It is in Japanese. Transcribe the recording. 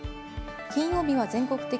金曜日は全国的